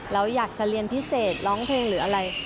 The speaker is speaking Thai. เราอยากจะเรียนพิเศษร้องเพลงหรืออะไร